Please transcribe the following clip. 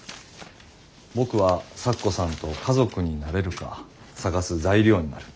僕は咲子さんと家族になれるか探す材料になる。